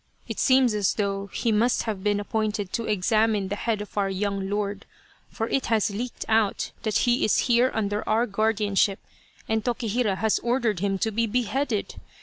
It seems as though he must have been appointed to examine the head of our young lord, for it has leaked out that he is here under our guardian ship, and Tokihira has ordered him to be beheaded.